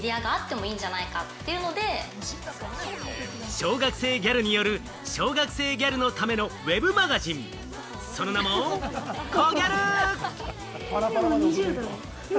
小学生ギャルによる小学生ギャルのためのウェブマガジン、その名も『ＫＯＧＹＡＲＵ』。